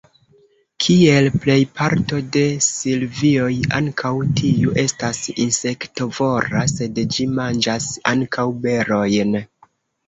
Kiel plej parto de silvioj, ankaŭ tiu estas insektovora, sed ĝi manĝas ankaŭ berojn.